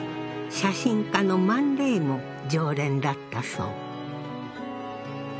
写真家のマン・レイも常連だったそう。